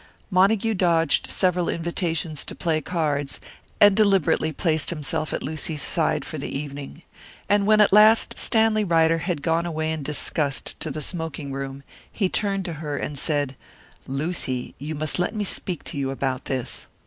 Montague dodged several invitations to play cards, and deliberately placed himself at Lucy's side for the evening. And when at last Stanley Ryder had gone away in disgust to the smoking room, he turned to her and said, "Lucy, you must let me speak to you about this."